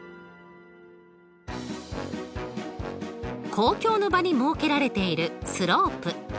公共の場に設けられているスロープ。